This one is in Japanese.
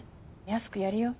安くやるよ。